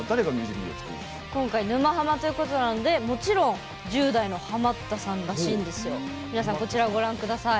今回、「沼ハマ」ということなんでもちろん１０代のハマったさんらしいです。